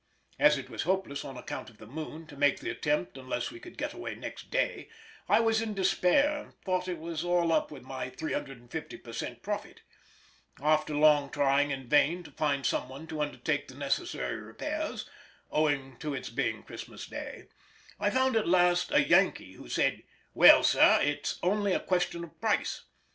As it was hopeless on account of the moon to make the attempt unless we could get away next day, I was in despair and thought it was all up with my 350 per cent profit. After long trying in vain to find some one to undertake the necessary repairs, owing to its being Christmas day, I found at last a Yankee, who said: "Well sir, its only a question of price."